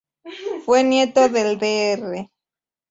Fue nieto del Dr.